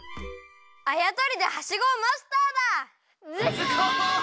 あやとりではしごをマスターだ！ズコ！